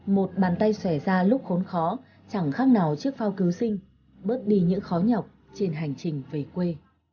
một bàn tay xẻ ra lúc khốn khó chẳng khác nào chiếc phao cứu sinh bớt đi những khó nhọc trên hành trình về quê